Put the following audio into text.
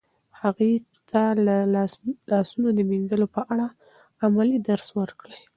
هغوی ته د لاسونو د مینځلو په اړه عملي درس ورکړئ.